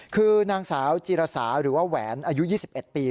คือนางสาวจีรสาหรือว่าแหวนอายุ๒๑ปี